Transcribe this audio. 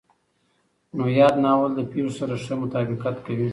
نو ياد ناول له پېښو سره ښه مطابقت کوي.